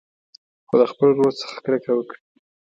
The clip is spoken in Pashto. خو د خپل ورور څخه کرکه وکړي.